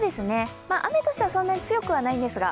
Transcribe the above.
雨としてはそんなに強くないんですが、